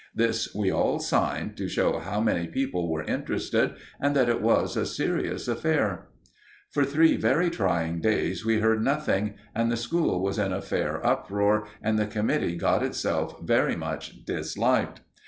This we all signed, to show how many people were interested and that it was a serious affair. For three very trying days we heard nothing, and the school was in a fair uproar, and the committee got itself very much disliked.